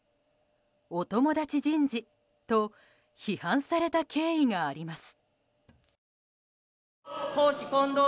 お友達人事と批判された経緯があります。